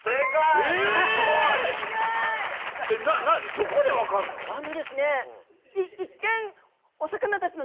どこで分かるの？